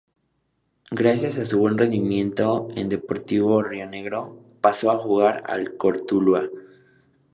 Gracias a su buen rendimiento en Deportivo Rionegro, pasó a jugar al Cortuluá.